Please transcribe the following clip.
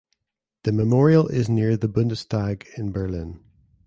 The memorial is near the Bundestag in Berlin.